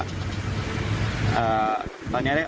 ตอนนี้ได้ออกไปที่นี่